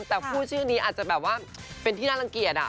แต่พูดชื่อนี้อาจจะแบบว่าเป็นที่น่ารังเกียจ